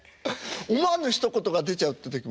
思わぬひと言が出ちゃうって時も。